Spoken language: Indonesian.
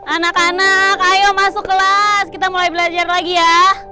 anak anak ayo masuk kelas kita mulai belajar lagi ya